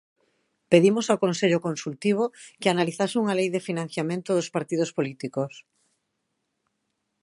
Pedimos ao Consello Consultivo que analizase unha lei de financiamento dos partidos políticos.